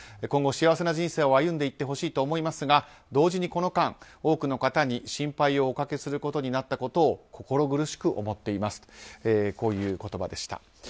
今後、幸せな人生を歩んでいってほしいと思いますが同時のこの間、多くの方に心配をおかけすることになったことを心苦しく思っていますとこういう言葉でした。